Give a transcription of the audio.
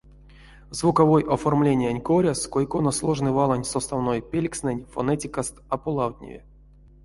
Звуковой оформлениянь коряс кой-кона сложной валонь составной пелькстнэнь фонетикаст а полавтневи.